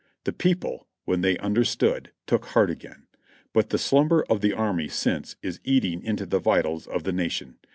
The people, when they understood, took heart again. But the slum ber of the army since is eating into the vitals of the Nation.